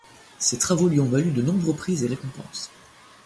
Ses travaux lui ont valu de nombreux prix et récompenses.